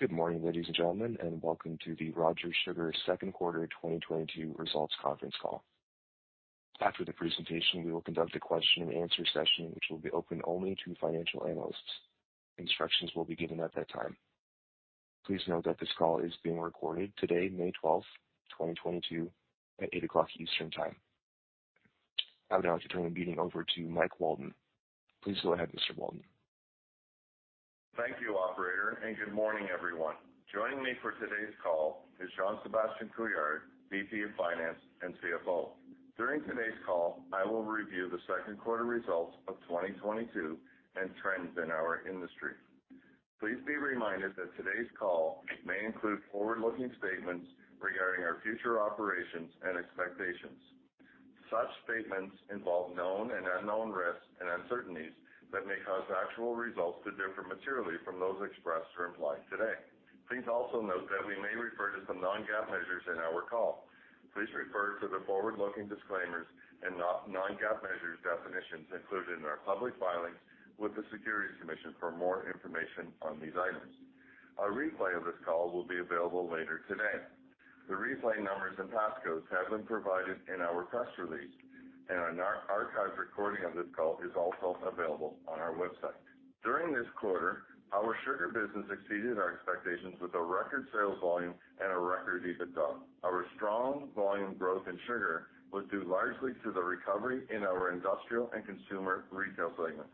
Good morning, ladies and gentlemen, and welcome to the Rogers Sugar Second Quarter 2022 Results Conference Call. After the presentation, we will conduct a question-and-answer session, which will be open only to financial analysts. Instructions will be given at that time. Please note that this call is being recorded today, May 12th, 2022 at 8:00 A.M. Eastern Time. I would now like to turn the meeting over to Mike Walton. Please go ahead, Mr. Walton. Thank you, operator, and good morning, everyone. Joining me for today's call is Jean-Sebastien Couillard, VP of Finance and CFO. During today's call, I will review the second quarter results of 2022 and trends in our industry. Please be reminded that today's call may include forward-looking statements regarding our future operations and expectations. Such statements involve known and unknown risks and uncertainties that may cause actual results to differ materially from those expressed or implied today. Please also note that we may refer to some non-GAAP measures in our call. Please refer to the forward-looking disclaimers and non-GAAP measures definitions included in our public filings with the Securities Commission for more information on these items. A replay of this call will be available later today. The replay numbers and passcodes have been provided in our press release, and an archived recording of this call is also available on our website. During this quarter, our sugar business exceeded our expectations with a record sales volume and a record EBITDA. Our strong volume growth in sugar was due largely to the recovery in our industrial and consumer retail segments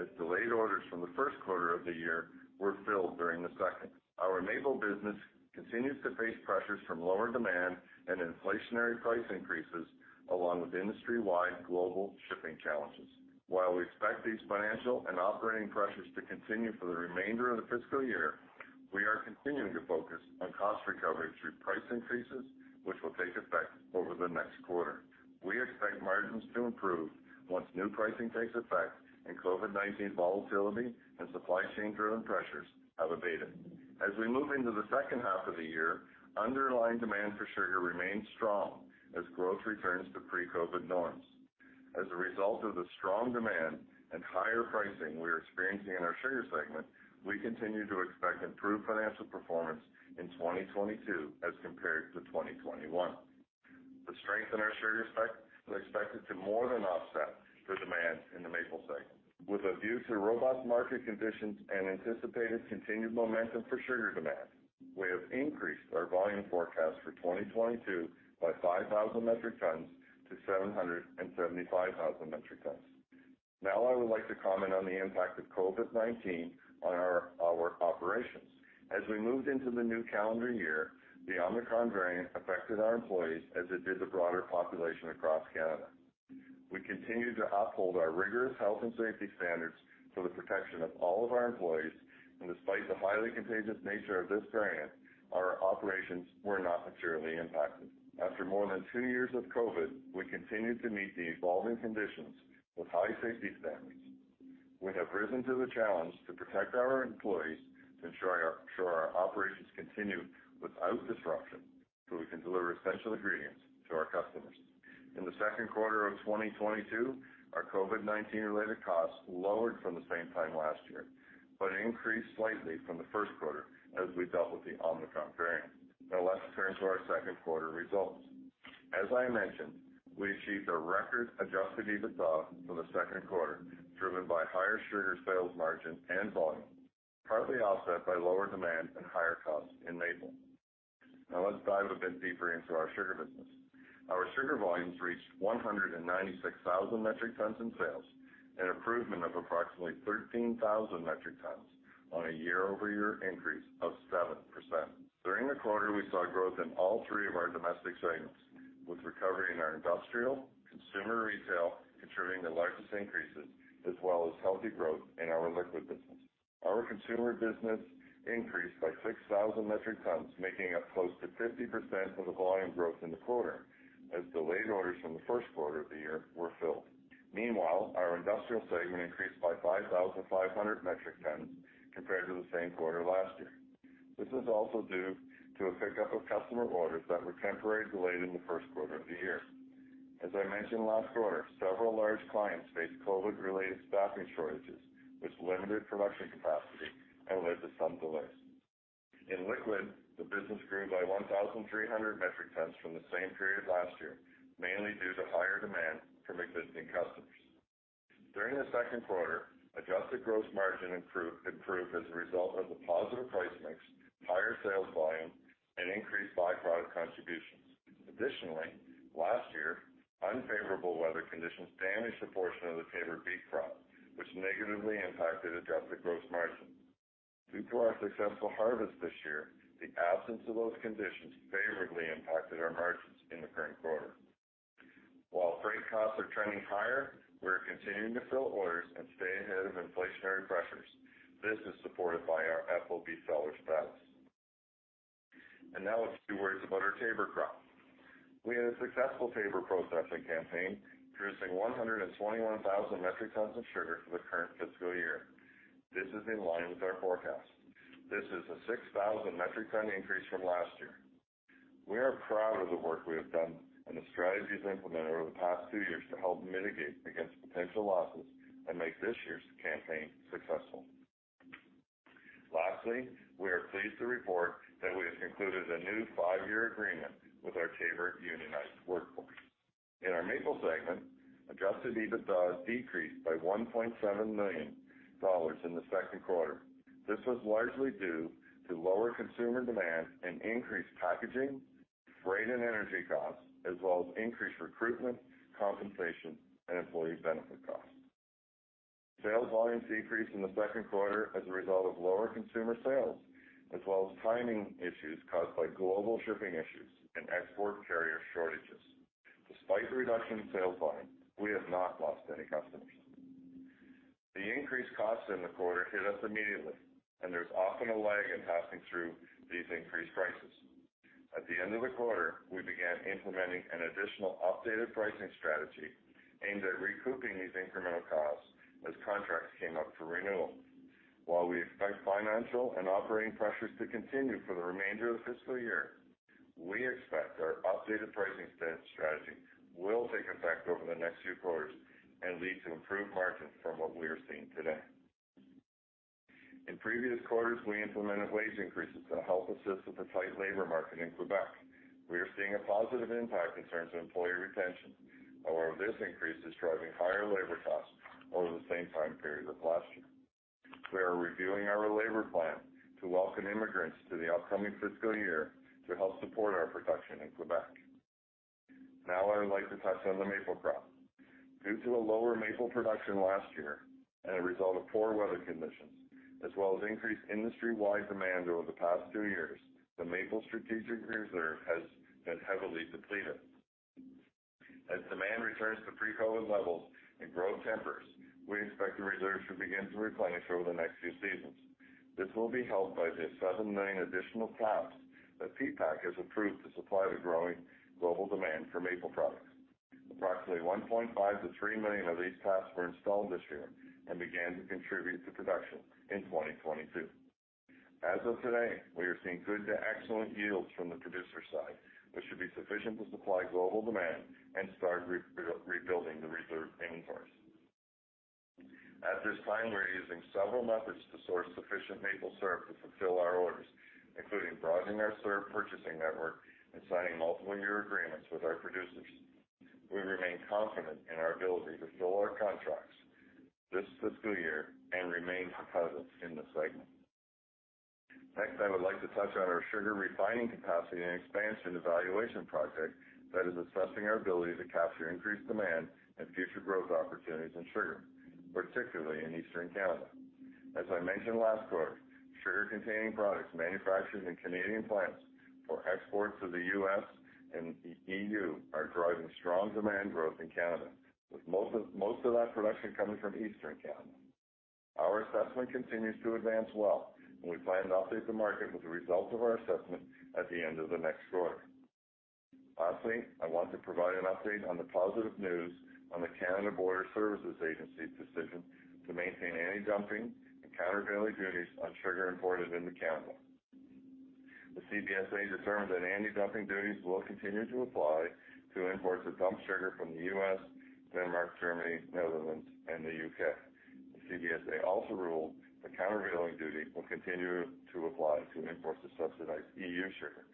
as delayed orders from the first quarter of the year were filled during the second. Our maple business continues to face pressures from lower demand and inflationary price increases, along with industry-wide global shipping challenges. While we expect these financial and operating pressures to continue for the remainder of the fiscal year, we are continuing to focus on cost recovery through price increases, which will take effect over the next quarter. We expect margins to improve once new pricing takes effect and COVID-19 volatility and supply chain-driven pressures have abated. As we move into the second half of the year, underlying demand for sugar remains strong as growth returns to pre-COVID norms. As a result of the strong demand and higher pricing we are experiencing in our sugar segment, we continue to expect improved financial performance in 2022 as compared to 2021. The strength in our sugar segment is expected to more than offset the demand in the maple segment. With a view to robust market conditions and anticipated continued momentum for sugar demand, we have increased our volume forecast for 2022 by 5,000 metric tons to 775,000 metric tons. Now I would like to comment on the impact of COVID-19 on our operations. As we moved into the new calendar year, the Omicron variant affected our employees as it did the broader population across Canada. We continue to uphold our rigorous health and safety standards for the protection of all of our employees. Despite the highly contagious nature of this variant, our operations were not materially impacted. After more than two years of COVID, we continue to meet the evolving conditions with high safety standards. We have risen to the challenge to protect our employees to ensure our operations continue without disruption, so we can deliver essential ingredients to our customers. In the second quarter of 2022, our COVID-19 related costs lowered from the same time last year, but increased slightly from the first quarter as we dealt with the Omicron variant. Now let's turn to our second quarter results. As I mentioned, we achieved a record adjusted EBITDA for the second quarter, driven by higher sugar sales margin and volume, partly offset by lower demand and higher costs in maple. Now let's dive a bit deeper into our sugar business. Our sugar volumes reached 196,000 metric tons in sales, an improvement of approximately 13,000 metric tons on a year-over-year increase of 7%. During the quarter, we saw growth in all three of our domestic segments, with recovery in our industrial, consumer retail contributing the largest increases, as well as healthy growth in our liquid business. Our consumer business increased by 6,000 metric tons, making up close to 50% of the volume growth in the quarter as delayed orders from the first quarter of the year were filled. Meanwhile, our industrial segment increased by 5,500 metric tons compared to the same quarter last year. This is also due to a pickup of customer orders that were temporarily delayed in the first quarter of the year. As I mentioned last quarter, several large clients faced COVID-related staffing shortages, which limited production capacity and led to some delays. In liquid, the business grew by 1,300 metric tons from the same period last year, mainly due to higher demand from existing customers. During the second quarter, adjusted gross margin improved as a result of the positive price mix, higher sales volume, and increased byproduct contributions. Additionally, last year, unfavorable weather conditions damaged a portion of the Taber beet crop, which negatively impacted adjusted gross margin. Due to our successful harvest this year, the absence of those conditions favorably impacted our margins in the current quarter. While freight costs are trending higher, we are continuing to fill orders and stay ahead of inflationary pressures. This is supported by our FOB seller status. Now a few words about our Taber crop. We had a successful Taber processing campaign, producing 121,000 metric tons of sugar for the current fiscal year. This is in line with our forecast. This is a 6,000 metric ton increase from last year. We are proud of the work we have done and the strategies implemented over the past two years to help mitigate against potential losses and make this year's campaign successful. Lastly, we are pleased to report that we have concluded a new five-year agreement with our Taber unionized workforce. In our Maple segment, adjusted EBITDA decreased by 1.7 million dollars in the second quarter. This was largely due to lower consumer demand and increased packaging, freight, and energy costs, as well as increased recruitment, compensation, and employee benefit costs. Sales volumes decreased in the second quarter as a result of lower consumer sales, as well as timing issues caused by global shipping issues and export carrier shortages. Despite the reduction in sales volume, we have not lost any customers. The increased costs in the quarter hit us immediately, and there's often a lag in passing through these increased prices. At the end of the quarter, we began implementing an additional updated pricing strategy aimed at recouping these incremental costs as contracts came up for renewal. While we expect financial and operating pressures to continue for the remainder of the fiscal year, we expect our updated Director of Special Situations Research Analyst updated pricing strategy will take effect over the next few quarters and lead to improved margins from what we are seeing today. In previous quarters, we implemented wage increases to help assist with the tight labor market in Quebec. We are seeing a positive impact in terms of employee retention. However, this increase is driving higher labor costs over the same time period of last year. We are reviewing our labor plan to welcome immigrants to the upcoming fiscal year to help support our production in Quebec. Now I would like to touch on the maple crop. Due to a lower maple production last year and a result of poor weather conditions, as well as increased industry-wide demand over the past two years, the maple strategic reserve has been heavily depleted. As demand returns to pre-COVID levels and growth tempers, we expect the reserves should begin to replenish over the next few seasons. This will be helped by the 7 million additional taps that PPAQ has approved to supply the growing global demand for maple products. Approximately 1.5-3 million of these taps were installed this year and began to contribute to production in 2022. As of today, we are seeing good to excellent yields from the producer side, which should be sufficient to supply global demand and start rebuilding the reserve inventory. At this time, we're using several methods to source sufficient maple syrup to fulfill our orders, including broadening our syrup purchasing network and signing multiple year agreements with our producers. We remain confident in our ability to fill our contracts this fiscal year and remain positive in this segment. Next, I would like to touch on our sugar refining capacity and expansion evaluation project that is assessing our ability to capture increased demand and future growth opportunities in sugar, particularly in Eastern Canada. As I mentioned last quarter, sugar-containing products manufactured in Canadian plants for export to the U.S. and the E.U. are driving strong demand growth in Canada, with most of that production coming from Eastern Canada. Our assessment continues to advance well, and we plan to update the market with the results of our assessment at the end of the next quarter. Director of Special Situations Research Analyst, I want to provide an update on the positive news on the Canada Border Services Agency's decision to maintain antidumping and countervailing duties on sugar imported into Canada. The CBSA determined that antidumping duties will continue to apply to imports of dumped sugar from the U.S., Denmark, Germany, the Netherlands, and the U.K. The CBSA also ruled the countervailing duty will continue to apply to imports of subsidized EU sugar.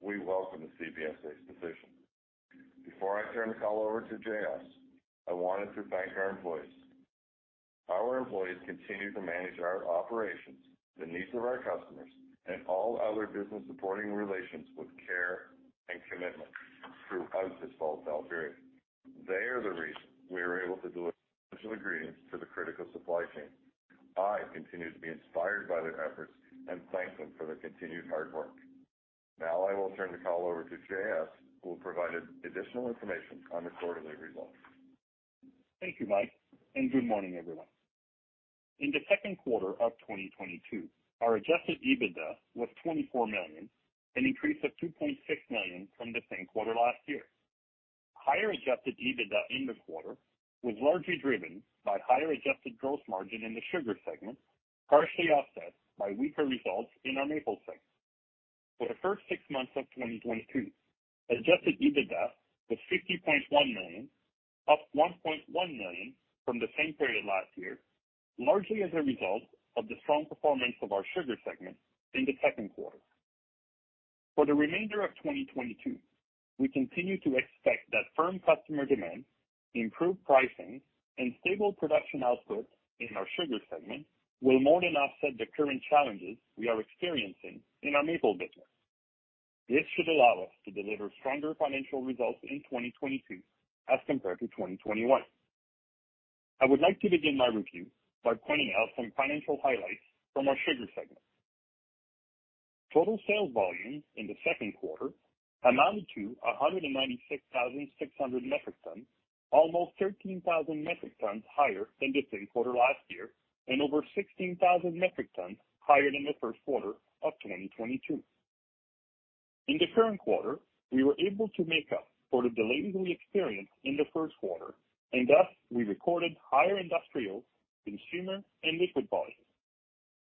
We welcome the CBSA's decision. Before I turn the call over to JS, I wanted to thank our employees. Our employees continue to manage our operations, the needs of our customers, and all other business-supporting relations with care and commitment throughout this volatile period. They are the reason we are able to deliver essential agreements to the critical supply chain. I continue to be inspired by their efforts and thank them for their continued hard work. Now I will turn the call over to JS, who will provide additional information on the quarterly results. Thank you, Mike, and good morning, everyone. In the second quarter of 2022, our adjusted EBITDA was 24 million, an increase of 2.6 million from the same quarter last year. Higher adjusted EBITDA in the quarter was largely driven by higher adjusted gross margin in the sugar segment, partially offset by weaker results in our maple segment. For the first six months of 2022, adjusted EBITDA was 50.1 million, up 1.1 million from the same period last year, largely as a result of the strong performance of our sugar segment in the second quarter. For the remainder of 2022, we continue to expect that firm customer demand, improved pricing, and stable production output in our sugar segment will more than offset the current challenges we are experiencing in our maple business. This should allow us to deliver stronger financial results in 2022 as compared to 2021. I would like to begin my review by pointing out some financial highlights from our sugar segment. Total sales volume in the second quarter amounted to 196,600 metric tons, almost 13,000 metric tons higher than the same quarter last year and over 16,000 metric tons higher than the first quarter of 2022. In the current quarter, we were able to make up for the delays we experienced in the first quarter and thus we recorded higher industrial, consumer, and liquid volumes.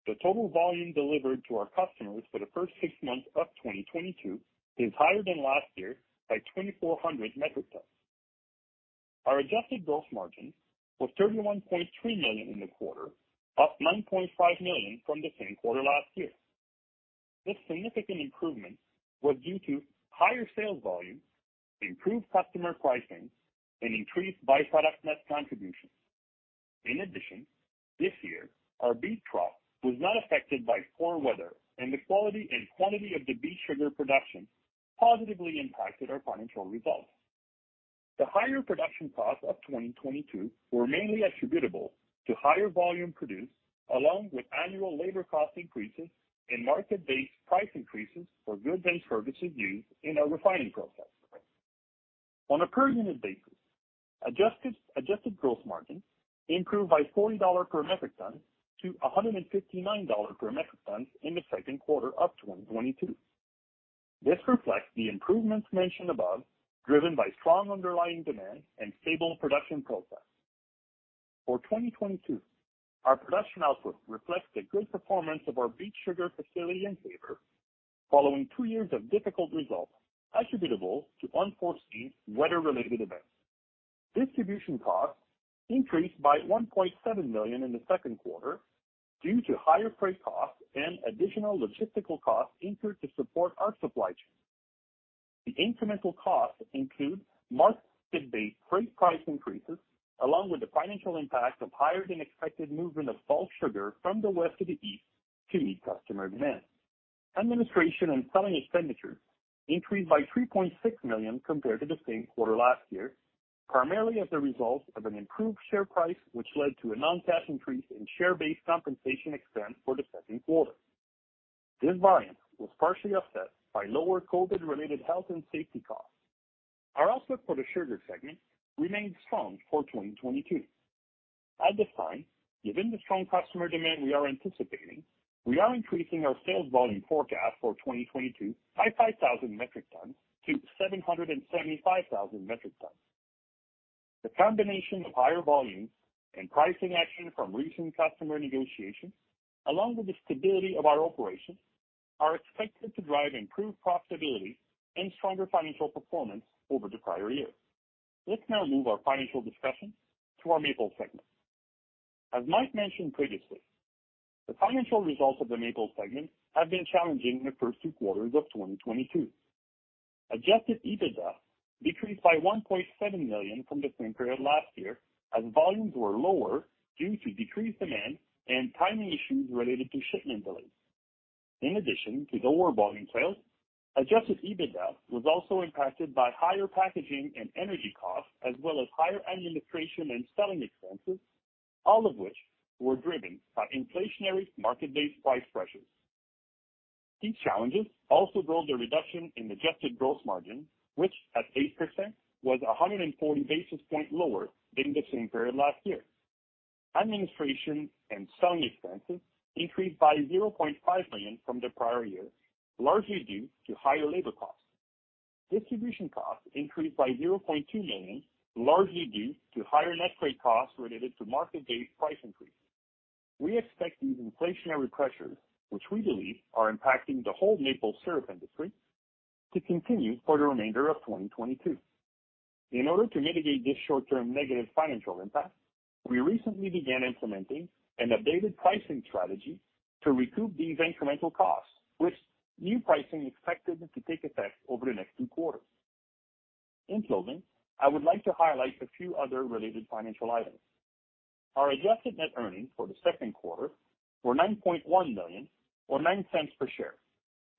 The total volume delivered to our customers for the first six months of 2022 is higher than last year by 2,400 metric tons. Our adjusted gross margin was 31.3 million in the quarter, up 9.5 million from the same quarter last year. This significant improvement was due to higher sales volume, improved customer pricing, and increased byproduct net contribution. In addition, this year our beet crop was not affected by poor weather, and the quality and quantity of the beet sugar production positively impacted our financial results. The higher production costs of 2022 were mainly attributable to higher volume produced, along with annual labor cost increases and market-based price increases for goods and services used in our refining process. On a per unit basis, adjusted gross margin improved by 40 dollar per metric ton to 159 dollar per metric ton in the second quarter of 2022. This reflects the improvements mentioned above, driven by strong underlying demand and stable production process. For 2022, our production output reflects the good performance of our beet sugar facility in Taber following two years of difficult results attributable to unforeseen weather-related events. Distribution costs increased by 1.7 million in the second quarter due to higher freight costs and additional logistical costs incurred to support our supply chain. The incremental costs include market-based freight price increases, along with the financial impact of higher than expected movement of bulk sugar from the west to the east to meet customer demand. Administration and selling expenditures increased by 3.6 million compared to the same quarter last year, primarily as a result of an improved share price, which led to a non-cash increase in share-based compensation expense for the second quarter. This variance was partially offset by lower COVID-19-related health and safety costs. Our outlook for the sugar segment remains strong for 2022. At this time, given the strong customer demand we are anticipating, we are increasing our sales volume forecast for 2022 by 5,000 metric tons to 775 metric tons. The combination of higher volumes and pricing action from recent customer negotiations, along with the stability of our operations, are expected to drive improved profitability and stronger financial performance over the prior year. Let's now move our financial discussion to our maple segment. As Mike mentioned previously, the financial results of the maple segment have been challenging in the first two quarters of 2022. Adjusted EBITDA decreased by 1.7 million from the same period last year as volumes were lower due to decreased demand and timing issues related to shipment delays. In addition to lower volume sales, adjusted EBITDA was also impacted by higher packaging and energy costs, as well as higher administration and selling expenses, all of which were driven by inflationary market-based price pressures. These challenges also drove the reduction in adjusted gross margin, which at 8% was 140 basis points lower than the same period last year. Administration and selling expenses increased by 0.5 million from the prior year, largely due to higher labor costs. Distribution costs increased by 0.2 million, largely due to higher net freight costs related to market-based price increases. We expect these inflationary pressures, which we believe are impacting the whole maple syrup industry, to continue for the remainder of 2022. In order to mitigate this short-term negative financial impact, we recently began implementing an updated pricing strategy to recoup these incremental costs, with new pricing expected to take effect over the next two quarters. In closing, I would like to highlight a few other related financial items. Our adjusted net earnings for the second quarter were 9.1 million or 0.09 per share,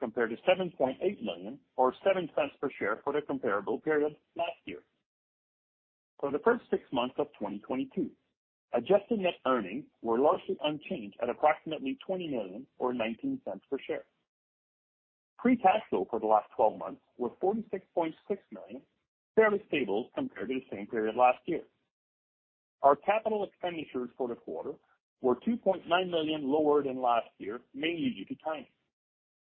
compared to 7.8 million or 0.07 per share for the comparable period last year. For the first six months of 2022, adjusted net earnings were largely unchanged at approximately 20 million or 0.19 per share. Free cash flow for the last twelve months were 46.6 million, fairly stable compared to the same period last year. Our capital expenditures for the quarter were 2.9 million lower than last year, mainly due to timing.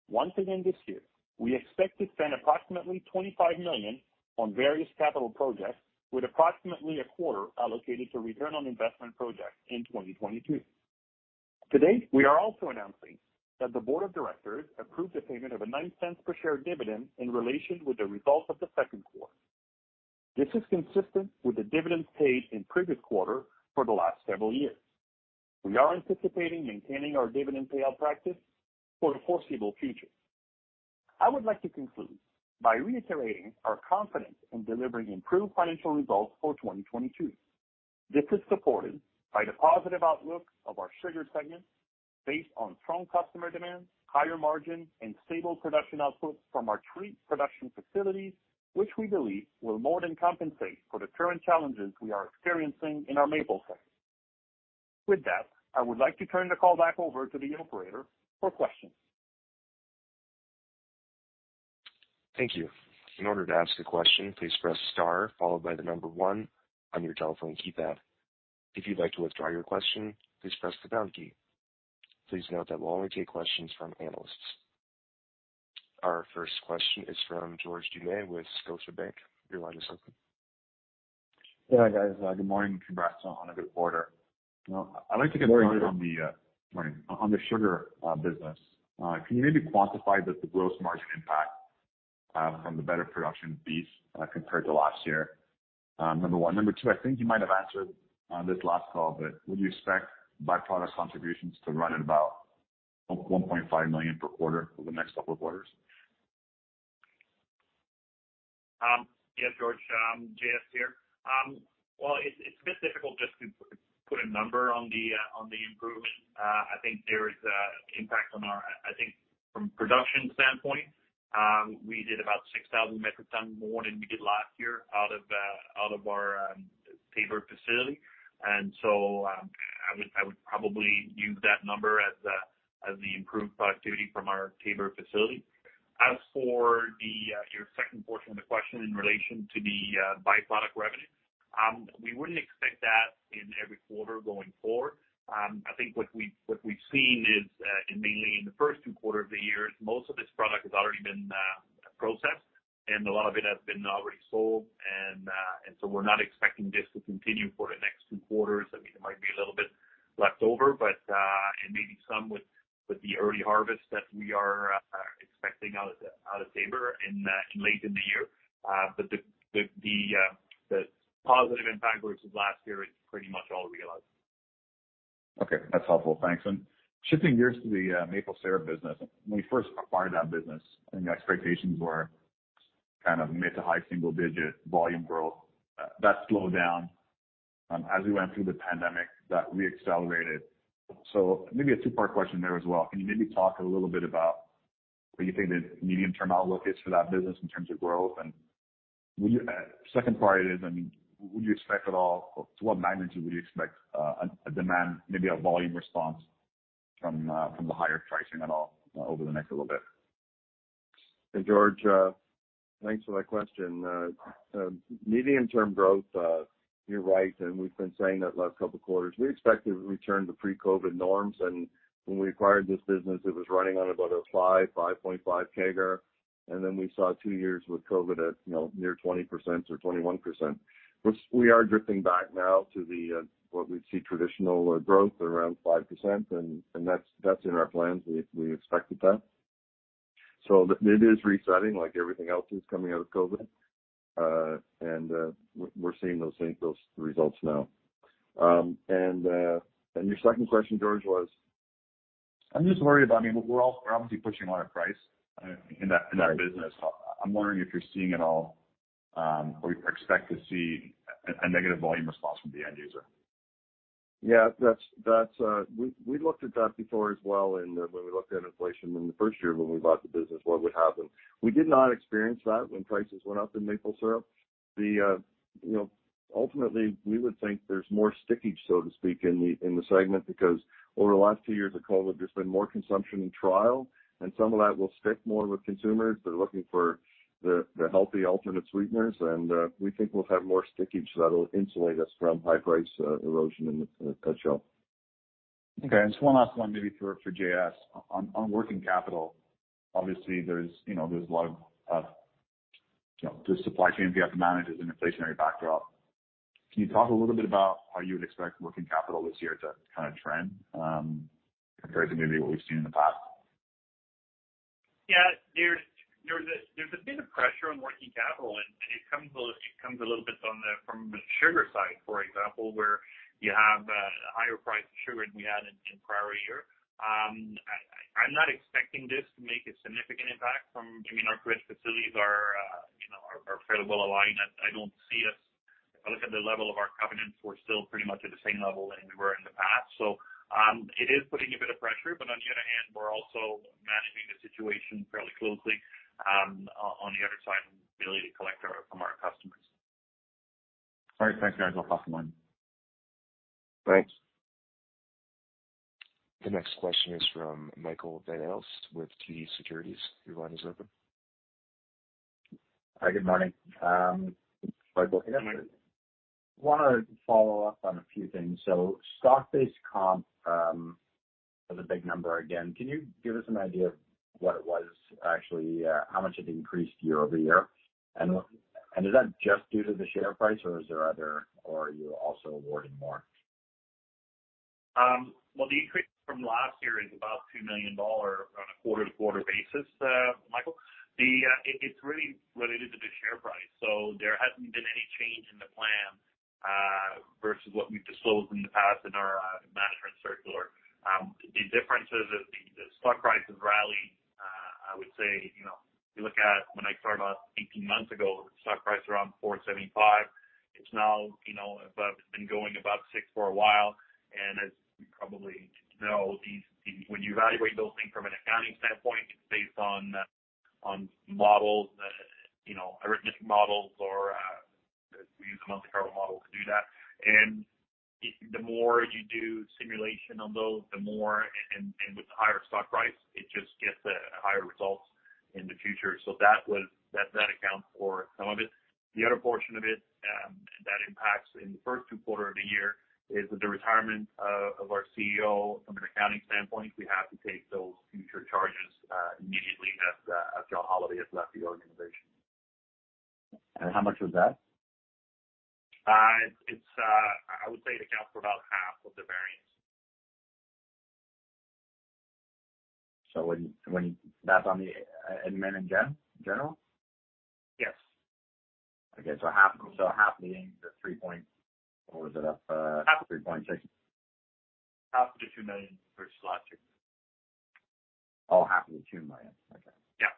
Once again this year, we expect to spend approximately 25 million on various capital projects with approximately a quarter allocated to return on investment projects in 2022. Today, we are also announcing that the board of directors approved the payment of a 0.09 per share dividend in relation with the results of the second quarter. This is consistent with the dividends paid in previous quarter for the last several years. We are anticipating maintaining our dividend payout practice for the foreseeable future. I would like to conclude by reiterating our confidence in delivering improved financial results for 2022. This is supported by the positive outlook of our sugar segment based on strong customer demand, higher margin, and stable production output from our three production facilities, which we believe will more than compensate for the current challenges we are experiencing in our maple segment. With that, I would like to turn the call back over to the operator for questions. Thank you. In order to ask a question, please press star followed by the number one on your telephone keypad. If you'd like to withdraw your question, please press the pound key. Please note that we'll only take questions from analysts. Our first question is from George Doumet with Scotiabank. Your line is open. Yeah, guys, good morning. Congrats on a good quarter. Good morning. I'd like to get started on the sugar business. Can you maybe quantify the gross margin impact from the better production fees compared to last year? Number one. Number two, I think you might have answered on this last call, but would you expect by-product contributions to run at about 1.5 million per quarter for the next couple of quarters? Yeah, George, JS here. Well, it's a bit difficult just to put a number on the improvement. I think from production standpoint, we did about 6,000 metric tons more than we did last year out of our Taber facility. I would probably use that number as the improved productivity from our Taber facility. As for your second portion of the question in relation to the by-product revenue, we wouldn't expect that in every quarter going forward. I think what we've seen is, and mainly in the first two quarters of the year, most of this product has already been processed and a lot of it has already been sold. We're not expecting this to continue for the next two quarters. I mean, it might be a little bit left over, but and maybe some with the early harvest that we are expecting out of Taber in late in the year. But the positive impact versus last year is pretty much all realized. Okay. That's helpful. Thanks. Shifting gears to the maple syrup business. When you first acquired that business, I think the expectations were kind of mid to high single digit volume growth. That slowed down as we went through the pandemic that re-accelerated. Maybe a two-part question there as well. Can you maybe talk a little bit about where you think the medium-term outlook is for that business in terms of growth? Second part is, I mean, would you expect at all to what magnitude would you expect a demand, maybe a volume response from the higher pricing at all over the next little bit? Hey, George, thanks for that question. Medium-term growth, you're right, and we've been saying that last couple of quarters. We expect to return to pre-COVID norms. When we acquired this business, it was running on about a 5.5 CAGR. We saw two years with COVID at, you know, near 20% or 21%, which we are drifting back now to what we'd see as traditional growth around 5%. That's in our plans. We expected that. It is resetting like everything else is coming out of COVID. Your second question, George, was? I'm just worried about, I mean, we're obviously pushing on our price in that business. I'm wondering if you're seeing at all or you expect to see a negative volume response from the end user. Yeah. That's. We looked at that before as well and when we looked at inflation in the first year when we bought the business, what would happen. We did not experience that when prices went up in maple syrup. You know, ultimately, we would think there's more stickiness, so to speak, in the segment because over the last two years of COVID, there's been more consumption in trial, and some of that will stick more with consumers. They're looking for the healthy alternative sweeteners, and we think we'll have more stickiness that'll insulate us from high price erosion in the nutshell. Okay. Just one last one maybe for JS. On working capital, obviously there's a lot of the supply chain you have to manage is an inflationary backdrop. Can you talk a little bit about how you would expect working capital this year to kinda trend, compared to maybe what we've seen in the past? Yeah. There's a bit of pressure on working capital, and it comes a little bit from the sugar side, for example, where you have higher price of sugar than we had in prior year. I'm not expecting this to make a significant impact. I mean, our credit facilities are, you know, fairly well aligned. I don't see us. If I look at the level of our covenants, we're still pretty much at the same level than we were in the past. It is putting a bit of pressure, but on the other hand, we're also managing the situation fairly closely, on the other side and ability to collect from our customers. All right. Thanks, guys. I'll pass on the line. Thanks. The next question is from Michael Van Aelst with TD Securities. Your line is open. Hi, good morning. Michael here. Good morning. Wanted to follow up on a few things. Stock-based comp is a big number again. Can you give us an idea of what it was actually how much it increased year-over-year? Is that just due to the share price or is there other or are you also awarding more? Well, the increase from last year is about 2 million dollars on a quarter-to-quarter basis, Michael. It's really related to the share price. There hasn't been any change in the plan versus what we've disclosed in the past in our management circular. The difference is the stock price has rallied. I would say, you know, if you look at when I started about 18 months ago, the stock price around 4.75. It's now, you know, been going above 6 for a while. As you probably know, when you evaluate those things from an accounting standpoint, it's based on models, you know, arithmetic models or we use a Monte Carlo model to do that. The more you do simulation on those, the more. With the higher stock price, it just gets higher results in the future. That accounts for some of it. The other portion of it impacts in the first two quarter of the year is that the retirement of our CEO from an accounting standpoint, we have to take those future charges immediately as John Holliday has left the organization. How much was that? I would say it accounts for about half of the variance. When that's on the admin and general? Yes. CAD half million, or was it up. Half. -3.6. Half of the 2 million for the slide, sure. Oh, half of the 2 million. Okay. Yeah.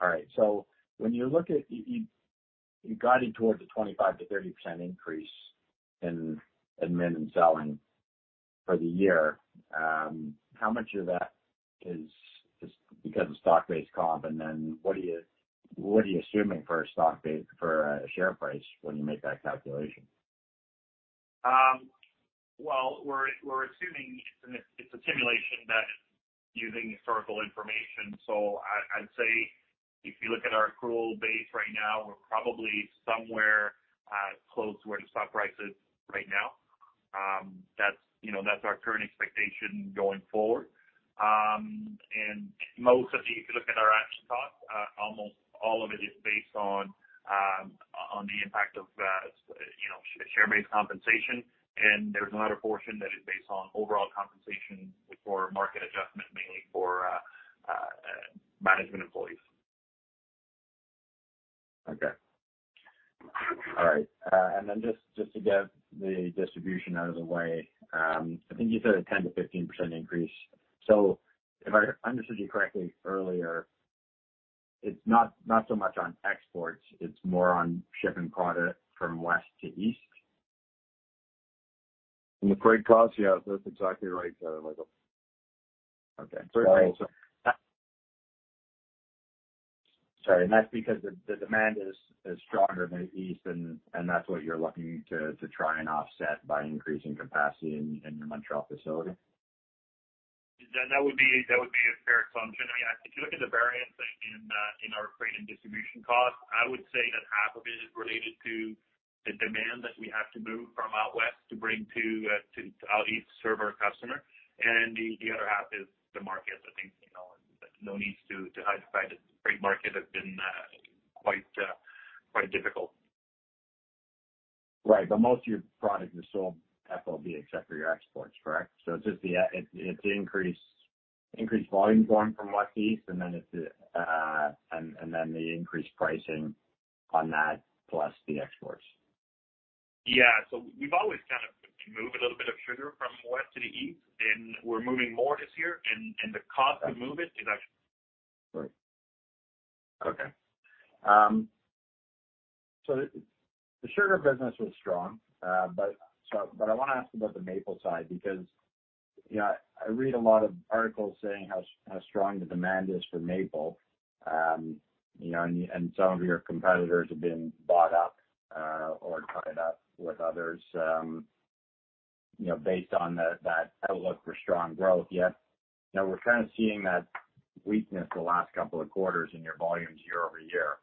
All right. When you look at, you guided towards a 25%-30% increase in admin and selling for the year. How much of that is because of stock-based comp? And then what are you assuming for a share price when you make that calculation? Well, we're assuming it's a simulation that is using historical information. I'd say if you look at our accrual base right now, we're probably somewhere close to where the stock price is right now. That's, you know, our current expectation going forward. Most of it, if you look at our accruals, almost all of it is based on the impact of, you know, share-based compensation. There's another portion that is based on overall compensation for market adjustment, mainly for management employees. Okay. All right. Just to get the distribution out of the way, I think you said a 10%-15% increase. If I understood you correctly earlier, it's not so much on exports, it's more on shipping product from west to east? In the freight costs, yeah, that's exactly right, Michael. Okay. Sorry. Sorry, that's because the demand is stronger in the east and that's what you're looking to try and offset by increasing capacity in your Montreal facility? That would be a fair assumption. I mean, if you look at the variance in our freight and distribution costs, I would say that half of it is related to the demand that we have to move from out west to bring to out east to serve our customer, and the other half is the market. I think, you know, no need to hide the fact that the freight market has been quite difficult. Right. Most of your products are sold FOB, except for your exports, correct? It's just the increased volume going from west to east and then the increased pricing on that plus the exports. Yeah. We've always kind of moved a little bit of sugar from West to the East, and we're moving more this year, and the cost to move it is actually. Right. Okay. The sugar business was strong. I wanna ask about the maple side because, you know, I read a lot of articles saying how strong the demand is for maple. You know, and some of your competitors have been bought up, or tied up with others, you know, based on that outlook for strong growth. Yet, you know, we're kind of seeing that weakness the last couple of quarters in your volumes year-over-year.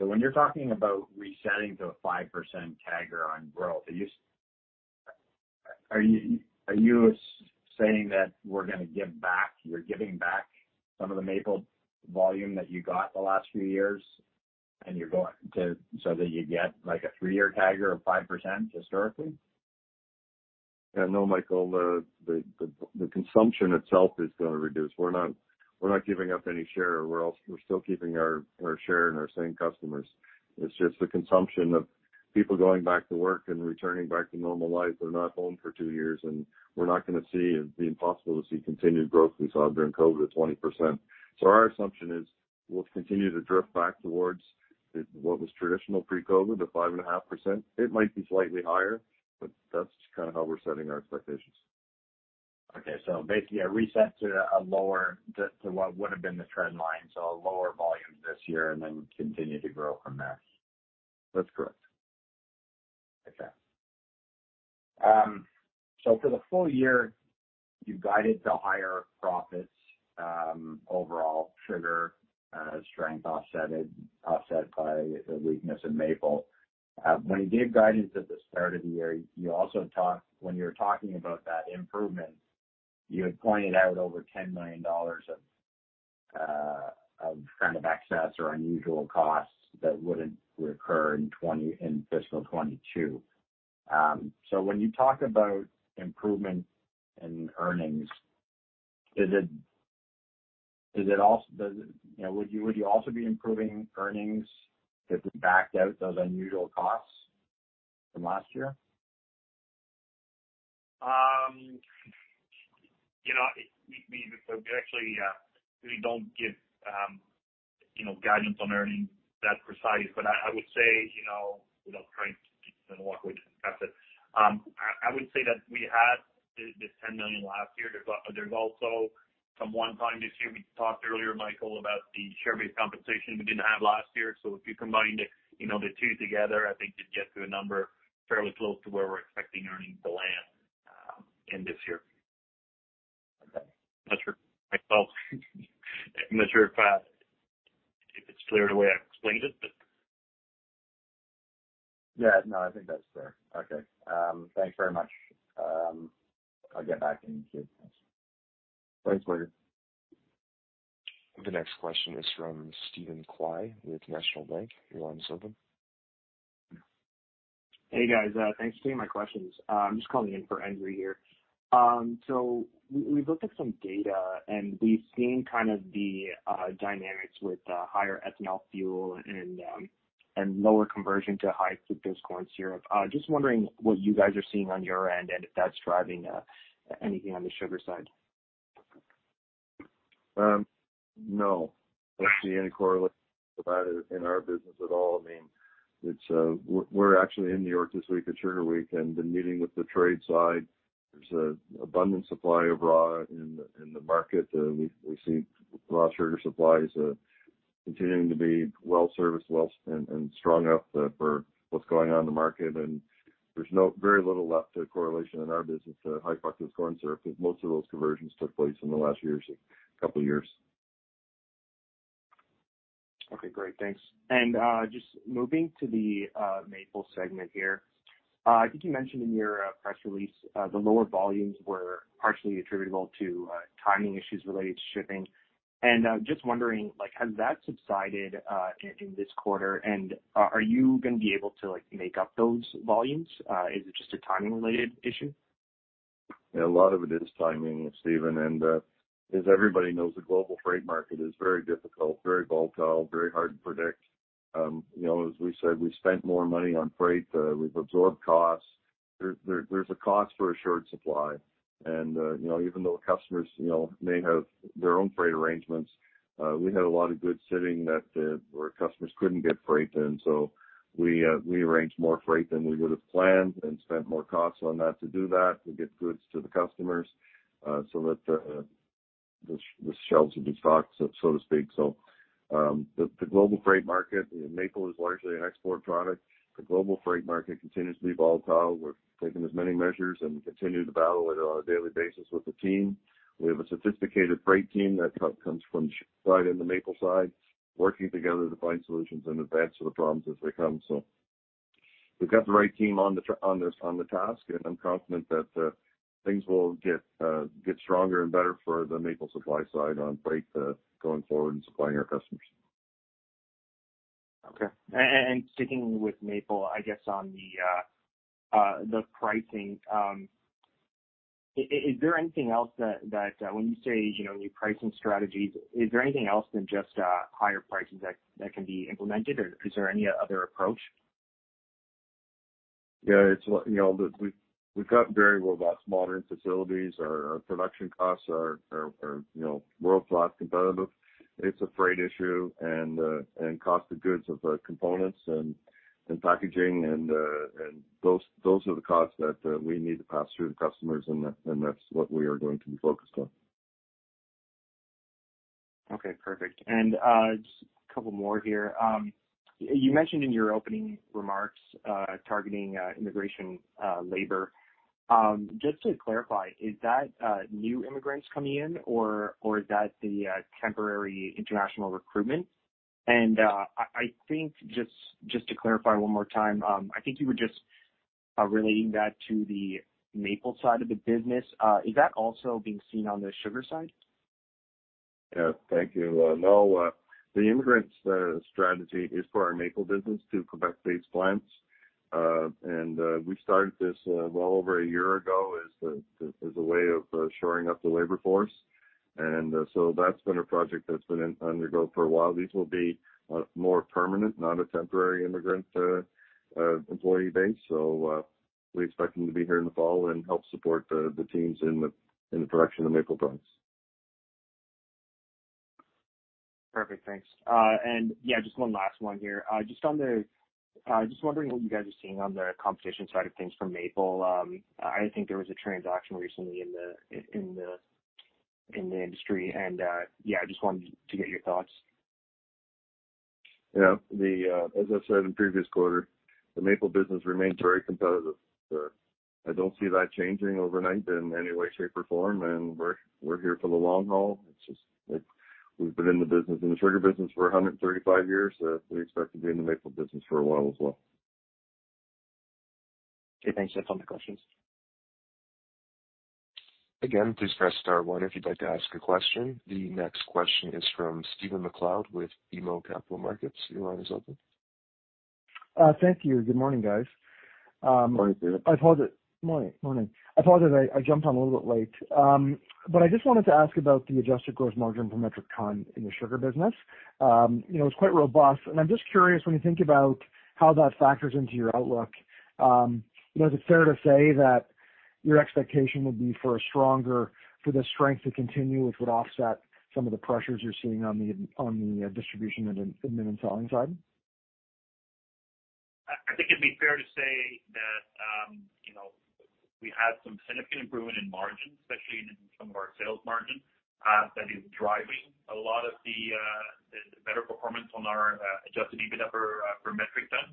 When you're talking about resetting to a 5% CAGR on growth, are you saying that we're gonna give back, you're giving back some of the maple volume that you got the last few years, and you're going to get like a three-year CAGR of 5% historically? Yeah. No, Michael, the consumption itself is gonna reduce. We're not giving up any share. We're still keeping our share and our same customers. It's just the consumption of people going back to work and returning back to normal life. They're not home for two years, and we're not gonna see, it'd be impossible to see continued growth we saw during COVID, 20%. Our assumption is we'll continue to drift back towards what was traditional pre-COVID to 5.5%. It might be slightly higher, but that's kind of how we're setting our expectations. Okay. Basically a reset to what would have been the trend line, so lower volumes this year and then continue to grow from there. That's correct. Okay. For the full year, you guided to higher profits, overall sugar strength offset by the weakness in maple. When you gave guidance at the start of the year, when you were talking about that improvement, you had pointed out over 10 million dollars of kind of excess or unusual costs that wouldn't recur in fiscal 2022. So when you talk about improvement in earnings, does it. You know, would you also be improving earnings if we backed out those unusual costs from last year? You know, we actually really don't give, you know, guidance on earnings that precise. I would say, you know, without trying to dip into what we discussed earlier, I would say that we had the 10 million last year. There's also some one-time this year. We talked earlier, Michael, about the share-based compensation we didn't have last year. If you combine the, you know, the two together, I think you'd get to a number fairly close to where we're expecting earnings to land in this year. Well, I'm not sure if it's clear the way I explained it, but. Yeah, no, I think that's fair. Okay. Thanks very much. I'll get back in queue. Thanks. Thanks, Blair. The next question is from Zachary Evershed with National Bank Financial. Your line is open. Hey, guys. Thanks for taking my questions. I'm just calling in for Andrew here. We've looked at some data, and we've seen kind of the dynamics with higher ethanol fuel and lower conversion to high fructose corn syrup. Just wondering what you guys are seeing on your end, and if that's driving anything on the sugar side. No, I don't see any correlation to that in our business at all. I mean, we're actually in New York this week at NY Sugar Week and been meeting with the trade side. There's an abundant supply of raw sugar in the market. We see raw sugar supplies continuing to be well serviced and strong enough for what's going on in the market. There's very little correlation left in our business to high fructose corn syrup, 'cause most of those conversions took place in the last couple years. Okay, great. Thanks. Just moving to the maple segment here. I think you mentioned in your press release the lower volumes were partially attributable to timing issues related to shipping. Just wondering, like, has that subsided in this quarter? Are you gonna be able to, like, make up those volumes? Is it just a timing related issue? Yeah, a lot of it is timing, Stephen. As everybody knows, the global freight market is very difficult, very volatile, very hard to predict. You know, as we said, we spent more money on freight. We've absorbed costs. There's a cost for a short supply. Even though customers, you know, may have their own freight arrangements, we had a lot of goods sitting that where customers couldn't get freight. We arranged more freight than we would've planned and spent more costs on that to do that, to get goods to the customers, so that the shelves would be stocked, so to speak. The global freight market, you know, maple is largely an export product. The global freight market continues to be volatile. We're taking as many measures, and we continue to battle it on a daily basis with the team. We have a sophisticated freight team that comes from sugar side and the maple side, working together to find solutions in advance to the problems as they come. We've got the right team on the task, and I'm confident that things will get stronger and better for the maple supply side on freight going forward and supplying our customers. Okay. Sticking with maple, I guess on the pricing, is there anything else that when you say, you know, new pricing strategies, is there anything else than just higher pricing that can be implemented? Or is there any other approach? Yeah, you know, we've got very robust modern facilities. Our production costs are, you know, world-class competitive. It's a freight issue and cost of goods of components and packaging and those are the costs that we need to pass through to customers and that and that's what we are going to be focused on. Okay, perfect. Just a couple more here. You mentioned in your opening remarks targeting immigration labor. Just to clarify, is that new immigrants coming in or is that the temporary international recruitment? I think just to clarify one more time, I think you were just relating that to the maple side of the business. Is that also being seen on the sugar side? Yeah. Thank you. No, the immigration strategy is for our maple business to Quebec-based plants. We started this well over a year ago as a way of shoring up the labor force. That's been a project that's been undergoing for a while. These will be more permanent, not a temporary immigrant employee base. We expect them to be here in the fall and help support the teams in the production of maple products. Perfect. Thanks. Yeah, just one last one here. Just wondering what you guys are seeing on the competition side of things for maple. I think there was a transaction recently in the industry, yeah, I just wanted to get your thoughts. Yeah. As I said in previous quarter, the maple business remains very competitive. I don't see that changing overnight in any way, shape, or form, and we're here for the long haul. It's just like we've been in the business, in the sugar business for 135 years. We expect to be in the maple business for a while as well. Okay, thanks. That's all my questions. Again, please press star one if you'd like to ask a question. The next question is from Stephen MacLeod with BMO Capital Markets. Your line is open. Thank you. Good morning, guys. Morning, Stephen. I apologize. Morning, morning. I apologize I jumped on a little bit late. But I just wanted to ask about the adjusted gross margin per metric ton in the sugar business. You know, it's quite robust, and I'm just curious when you think about how that factors into your outlook, you know, is it fair to say that your expectation would be for the strength to continue, which would offset some of the pressures you're seeing on the distribution and in the selling side? I think it'd be fair to say that, you know, we had some significant improvement in margins, especially in some of our sales margin, that is driving a lot of the better performance on our adjusted EBIT per metric ton.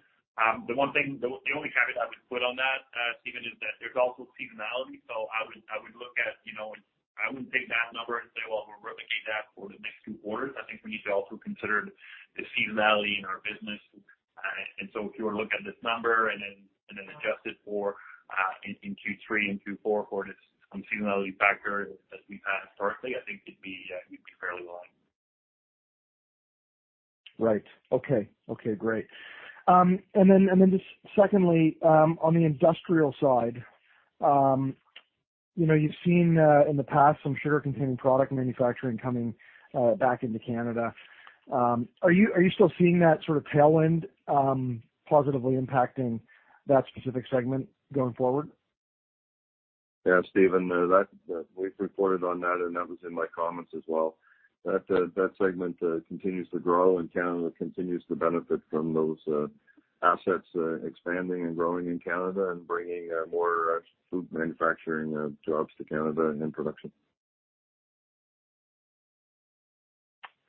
The one thing, the only caveat I would put on that, Stephen, is that there's also seasonality. I would look at, you know, I wouldn't take that number and say, "Well, we'll replicate that for the next two quarters." I think we need to also consider the seasonality in our business. If you were to look at this number and then adjust it for in Q3 and Q4 for the seasonality factor as we've had historically, I think you'd be fairly well on. Right. Okay, great. Just secondly, on the industrial side, you know, you've seen in the past some sugar containing product manufacturing coming back into Canada. Are you still seeing that sort of tail end positively impacting that specific segment going forward? Yeah, Stephen, we've reported on that, and that was in my comments as well. That segment continues to grow and Canada continues to benefit from those assets expanding and growing in Canada and bringing more food manufacturing jobs to Canada and production.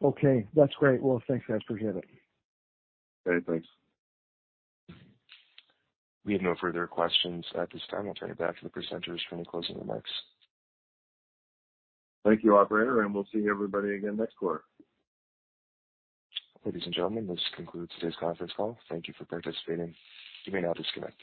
Okay. That's great. Well, thanks, guys. Appreciate it. Okay, thanks. We have no further questions at this time. I'll turn it back to the presenters for any closing remarks. Thank you, operator, and we'll see everybody again next quarter. Ladies and gentlemen, this concludes today's conference call. Thank you for participating. You may now disconnect.